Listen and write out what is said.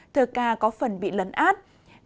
thơ ca có phần bị lãng phí